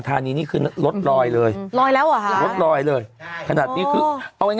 ถ้าฝนตกต้องเปิดเวลาถึงถึง๒ชั่วโมง